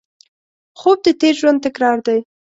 خوب د تېر ژوند تکرار دی